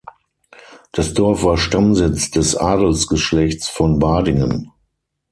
Das Dorf war Stammsitz des Adelsgeschlechts von Badingen.